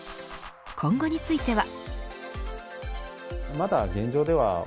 今後については。